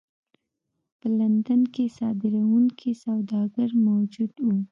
په لندن کې صادروونکي سوداګر موجود وو.